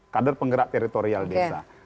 kadar penggerak teritorial desa